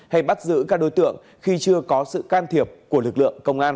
hay bắt giữ các đối tượng khi chưa có sự can thiệp của lực lượng công an